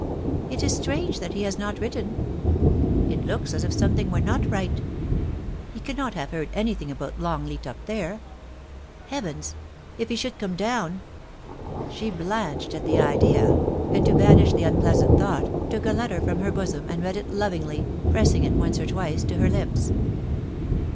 ... It is strange that he has not written. It looks as if something were not right — he cannot have heard anything about Longleat up there. Heavens ! if he should come down !' 2S8 POLICY AXD PASSIOX. She blanched at the idea, and to banish the unpleasant thought, took a letter firom her bosom, and read it lovingly, pressing it once or twice to her lips.